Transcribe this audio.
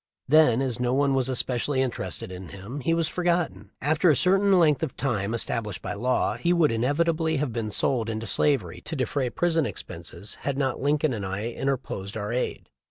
Then, as no one was especially interested in him, he was forgotten. After a certain length of time established by law, he would inevitably have been sold into slavery to defray prison expenses had not Lincoln and I interposed our aid.